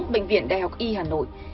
bệnh viện đại học y hà nội